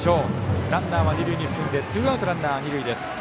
ランナーは二塁に進んでツーアウトランナー、二塁です。